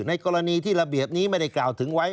ในกรณีที่ระเบียบนี้ไม่ได้กล่าวถึงไว้